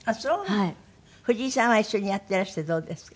藤井さんは一緒にやってらしてどうですか？